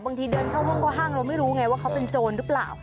บางทีเดินเข้าห้างเราไม่รู้ไงว่าเขาเป็นโจรหรือเปล่า